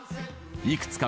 いくつか